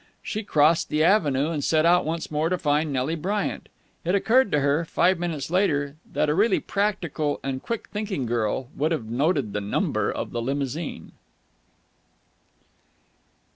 She crossed the avenue, and set out once more to find Nelly Bryant. It occurred to her, five minutes later, that a really practical and quick thinking girl would have noted the number of the limousine.